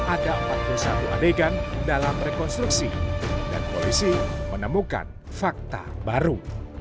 ada empat puluh satu adegan dalam rekonstruksi dan polisi menemukan fakta baru